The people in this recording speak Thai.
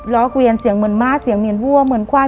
เกวียนเสียงเหมือนม้าเสียงเหยีนวัวเหมือนควาย